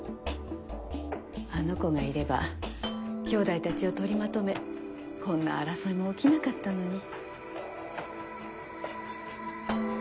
あの子がいればきょうだいたちを取りまとめこんな争いも起きなかったのに。